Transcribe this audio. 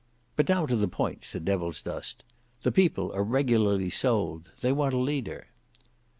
"But now to the point," said Devilsdust. "The people are regularly sold; they want a leader."